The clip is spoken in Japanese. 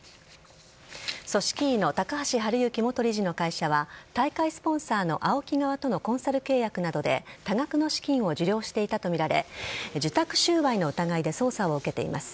組織委の高橋治之元理事の会社は、大会スポンサーのＡＯＫＩ側とのコンサル契約などで、多額の資金を受領していたと見られ、受託収賄の疑いで捜査を受けています。